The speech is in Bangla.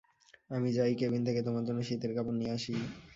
আমি যাই, কেবিন থেকে তোমার জন্য শীতের কাপড় নিয়ে আসি।